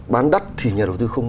bán đắt thì nhà đầu tư không bán